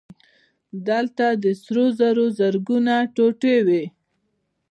دلته د سرو زرو زرګونه ټوټې وې